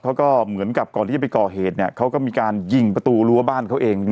เขาก็เหมือนกับก่อนที่จะไปก่อเหตุเขาก็มีการยิงประตูรั้วบ้านเขาเอง